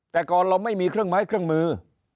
แต่ก่อนเราไม่มีเครื่องไม้เครื่องมือ